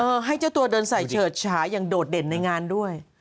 ให้เจ้าตัวเดินใส่เฉิดฉาอย่างโดดเด่นในงานด้วย